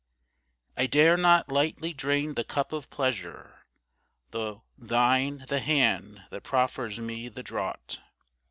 I dare not lightly drain the cup of pleasure, Though Thine the hand that proffers me the draught.